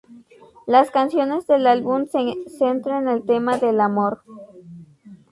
Las canciones del álbum se centra en el tema del "amor".